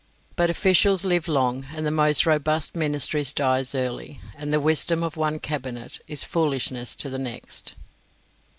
But officials live long, and the most robust ministry dies early, and the wisdom of one cabinet is foolishness to the next.